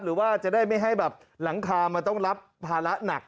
หรือว่าจะได้ไม่ให้แบบหลังคามันต้องรับภาระหนัก